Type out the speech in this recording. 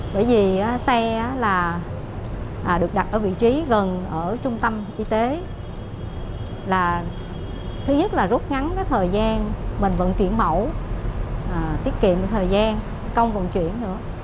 tại vì xe là được đặt ở vị trí gần ở trung tâm y tế là thứ nhất là rút ngắn cái thời gian mình vận chuyển mẫu tiết kiệm thời gian công vận chuyển nữa